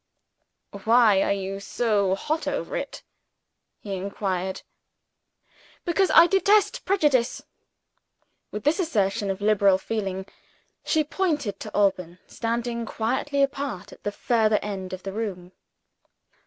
"Why are you so hot over it?" he inquired "Because I detest prejudice!" With this assertion of liberal feeling she pointed to Alban, standing quietly apart at the further end of the room.